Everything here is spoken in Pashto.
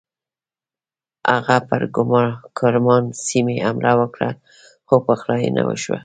هغه پر ګرمان سیمې حمله وکړه خو پخلاینه وشوه.